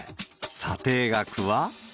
査定額は。